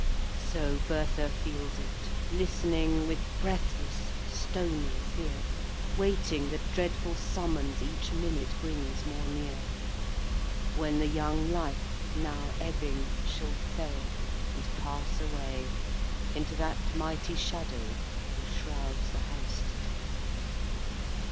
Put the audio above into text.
II. So Bertha feels it: listening With breathless, stony fear, Waiting the dreadful summons Each minute brings more near: When the young life, now ebbing, Shall fail, and pass away Into that mighty shadow Who shrouds the house to day.